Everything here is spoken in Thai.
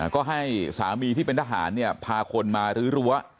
ก็ให้สามีที่เป็นทหารพาคนมารื้อรั้ว